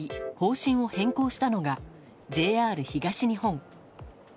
針を変更したのがＪＲ東日本。